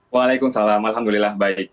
waalaikumsalam alhamdulillah baik